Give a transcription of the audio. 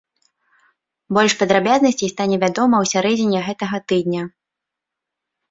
Больш падрабязнасцей стане вядома ў сярэдзіне гэтага тыдня.